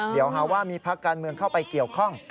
เดี๋ยวหาว่ามีพักการเมืองเข้าไปเกี่ยวข้อง